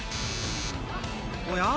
おや？